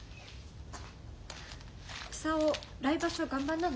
久男来場所頑張んなね。